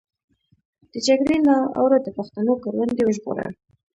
د جګړې له اوره د پښتنو کروندې وژغوره.